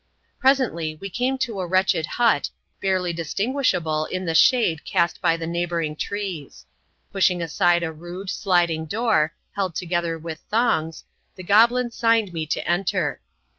* Presently, we came to a wretched hut, barely distinguishable in the shade cast by the neighbouring trees. Pushing aside a rude, sliding door, held together with thongs, the goblin signed me to enter.